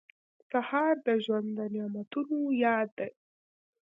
سهار د ژوند د نعمتونو یاد دی.